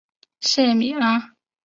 谢米拉。